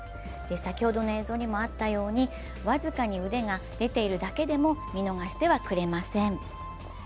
先ほどの映像にもあったように、僅かに腕が出ているだけでも見逃してはくれません。